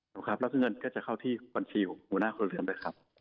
ถูกครับแล้วฉันก็จะเข้าที่ฝันชีของหัวหน้าครัวเรือนเลยครับ